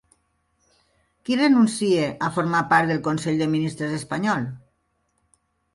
Qui renuncia a formar part del consell de ministres espanyol?